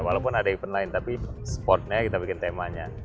walaupun ada event lain tapi sportnya kita bikin temanya